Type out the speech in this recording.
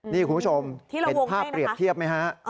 นี่คุณผู้ชมเห็นภาพเปรียบเทียบไหมฮะ